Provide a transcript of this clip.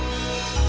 belum be android